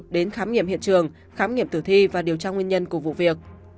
đến khám nghiệm hiện trường khám nghiệm tử thi và điều tra nguyên nhân của vụ việc